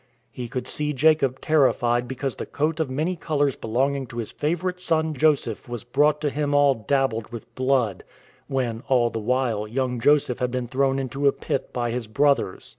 He could see Jacob terrified because the coat of many colours be longing to his favourite son Joseph was brought to him all dabbled with blood; when, all the while, young Joseph had been thrown into a pit by his brothers.